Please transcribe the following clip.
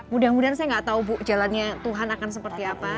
mudah mudahan saya nggak tahu bu jalannya tuhan akan seperti apa